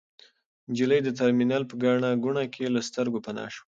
نجلۍ د ترمینل په ګڼه ګوڼه کې له سترګو پناه شوه.